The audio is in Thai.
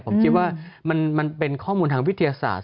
ผมคิดว่ามันเป็นข้อมูลทางวิทยาศาสตร์